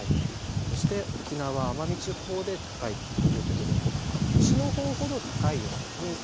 そして沖縄・奄美地方で高いということで西のほうほど高い予想に今なっています。